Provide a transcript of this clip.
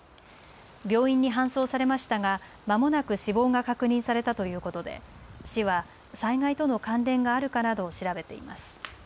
病院に搬送されましたがまもなく死亡が確認されたということで市は災害との関連があるかなどを調べています。